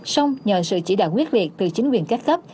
xong nhờ sự chỉ đạo quyết liệt từ chính quyền các cấp